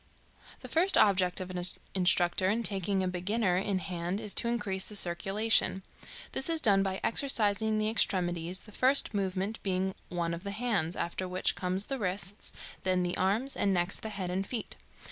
The first object of an instructor in taking a beginner in hand is to increase the circulation. This is done by exercising the extremities, the first movement being one of the hands, after which come the wrists, then the arms, and next the head and feet.